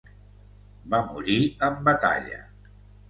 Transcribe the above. Va morir en batalla.